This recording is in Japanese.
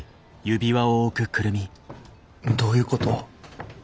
どういうこと？